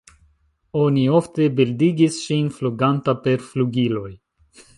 Oni ofte bildigis ŝin fluganta per flugiloj.